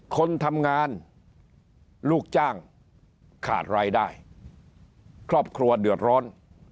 คนทำงานลูกจ้างขาดรายได้ครอบครัวเดือดร้อน